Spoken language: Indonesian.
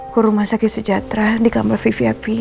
kuruma sakit sejahtera di kamar vivi api satu